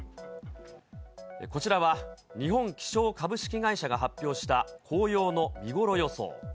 こちらは日本気象株式会社が発表した紅葉の見頃予想。